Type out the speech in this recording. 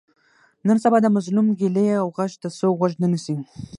نن سبا د مظلوم ګیلې او غږ ته څوک غوږ نه نیسي.